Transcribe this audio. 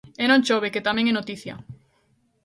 E non chove, que tamén é noticia.